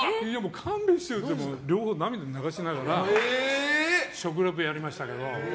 勘弁してよって両方、涙流しながら食リポやりましたけど。